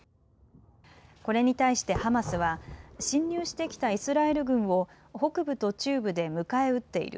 これに対してハマスは侵入してきたイスラエル軍を北部と中部で迎え撃っている。